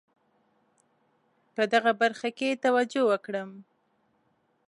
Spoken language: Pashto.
په دغه برخه کې توجه وکړم.